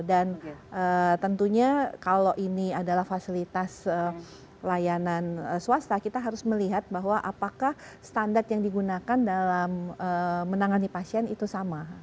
dan tentunya kalau ini adalah fasilitas pelayanan swasta kita harus melihat bahwa apakah standar yang digunakan dalam menangani pasien itu sama